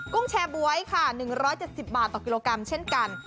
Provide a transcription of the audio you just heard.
ุ้งแชร์บ๊วยค่ะ๑๗๐บาทต่อกิโลกรัมเช่นกัน